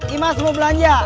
imas mau belanja